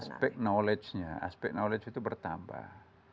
aspek knowledge nya aspek knowledge itu bertambah